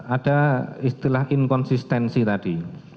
ada istilah inkonsistensi tadi